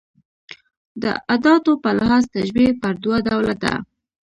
د اداتو په لحاظ تشبېه پر دوه ډوله ده.